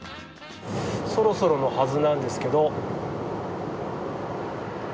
そろそろのはずなんですけど。